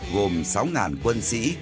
gồm sáu ngàn quân sĩ